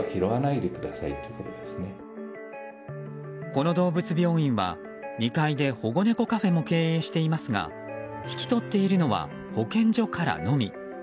この動物病院は、２階で保護猫カフェも経営していますが引き取っているのは保健所からのみ。